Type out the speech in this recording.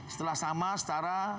setelah sama setara